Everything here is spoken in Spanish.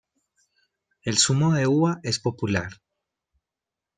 El zumo de uva es popular.